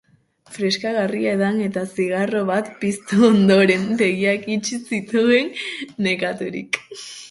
Freskagarria edan eta zigarro bat piztu ondoren, begiak itxi zituen, nekaturik.